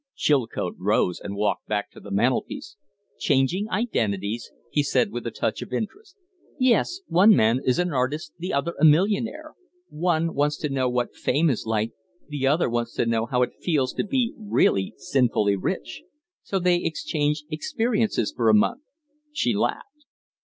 Chilcote rose and walked back to the mantel piece. "Changing identities?" he said, with a touch of interest. "Yes. One man is an artist, the other a millionaire; one wants to know what fame is like, the other wants to know how it feels to be really sinfully rich. So they exchange experiences for a month." She laughed.